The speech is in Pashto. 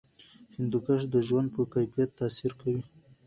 هندوکش د ژوند په کیفیت تاثیر کوي.